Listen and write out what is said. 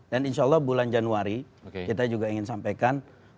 dan insya allah bulan januari kita juga ingin sampaikan